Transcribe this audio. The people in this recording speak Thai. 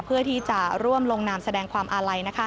เพื่อที่จะร่วมลงนามแสดงความอาลัย